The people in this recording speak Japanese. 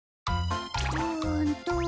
うんと。